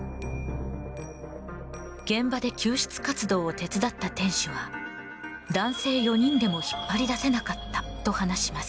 現場で救出活動を手伝った店主は男性４人でも引っ張り出せなかったと話します。